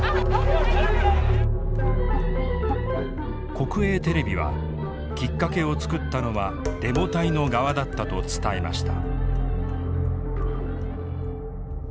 国営テレビはきっかけを作ったのはデモ隊の側だったと伝えました。